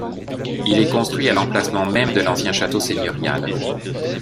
Il est construit à l’emplacement même de l'ancien château seigneurial.